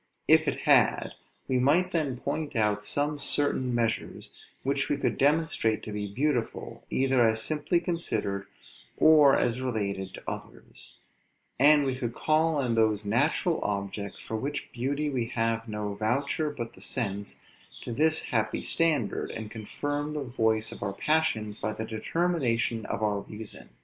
If it had, we might then point out some certain measures which we could demonstrate to be beautiful, either as simply considered, or as related to others; and we could call in those natural objects, for whose beauty we have no voucher but the sense, to this happy standard, and confirm the voice of our passions by the determination of our reason.